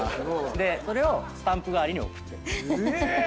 それをスタンプ代わりに送ってる。